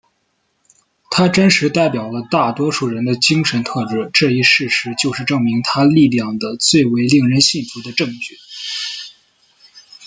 他真实代表了大多数人的精神特质这一事实就是证明他力量的最为令人信服的证据。